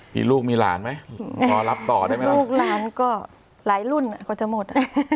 มีลูกมีหลานไหมพอรับต่อได้ไหมล่ะลูกหลานก็หลายรุ่นกว่าจะหมด